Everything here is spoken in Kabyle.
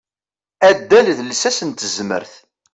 Addal d lsas n tezmert.